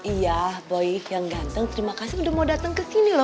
iya baik yang ganteng terima kasih udah mau datang ke sini loh